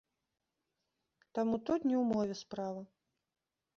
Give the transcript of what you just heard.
Таму тут не ў мове справа.